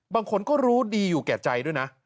บางคนก็รู้ดีอยู่แก่ใจด้วยนะ